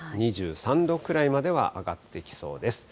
２３度くらいまでは上がってきそうです。